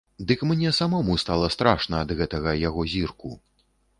Дык мне самому стала страшна ад гэтага яго зірку.